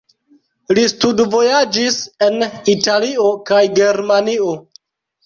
Li studvojaĝis en Italio kaj Germanio.